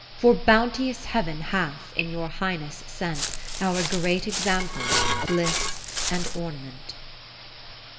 For bounteous Heav'n hath, in your Highness sent Our great example, bliss and orna ment.